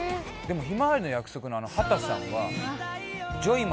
『ひまわりの約束』の秦さんは。